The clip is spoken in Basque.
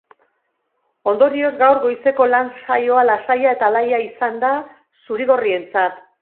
Ondorioz, gaur goizeko lan saioa lasaia eta alaia izan da zuri-gorrientzat.